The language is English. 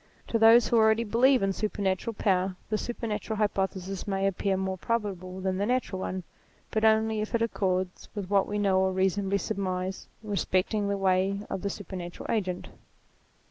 To those who already believe in supernatural power, the supernatural hypothesis may appear more probable than the natural one; but only if it accords with what we know or reasonably surmise respecting the ways of the supernatural agent.